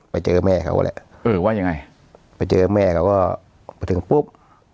ไปเจอแม่เขาแหละเออว่ายังไงไปเจอแม่เขาก็ไปถึงปุ๊บ